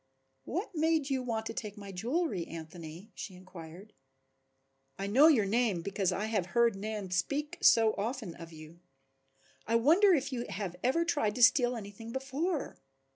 "What made you want to take my jewelry, Anthony?" she inquired. "I know your name because I have heard Nan speak so often of you. I wonder if you have ever tried to steal anything before?"